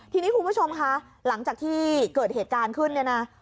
ทีนี้คุณผู้ชมคะหลังจากที่เกิดเหตุการณ์ขึ้นเนี่ยนะ